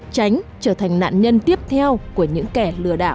tránh trở thành nạn nhân tiếp theo của những kẻ lừa đảo